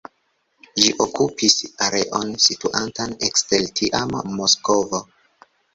Ĝi okupis areon situantan ekster tiama Moskvo.